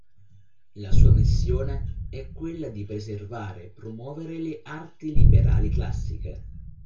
La sua missione è quella di preservare e promuovere le arti liberali classiche.